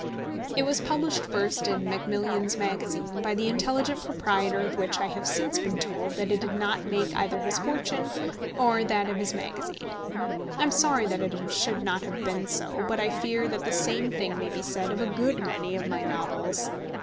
It was published first in Macmillan's Magazine, by the intelligent proprietor of which I have since been told that it did not make either his fortune or that of his magazine. I am sorry that it should have been so; but I fear that the same thing may be said of a good many of my novels.